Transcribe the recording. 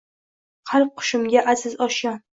Qalb qushimga aziz oshyon